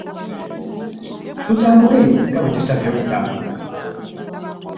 Tutambule nga bwe tusaanye okutambula.